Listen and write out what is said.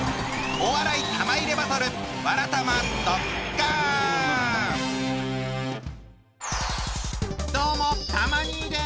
お笑い玉入れバトルどうもたま兄です。